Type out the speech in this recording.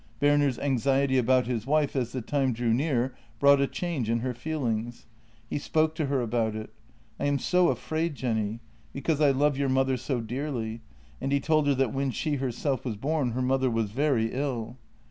Berner's anxiety about his wife as the time drew near brought a change in her feelings. He spoke to her about it: "I am so afraid, Jenny, because I love your mother so dearly," and he told her that when she herself was born her mother was very ill.